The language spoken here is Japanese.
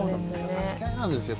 助け合いなんですよ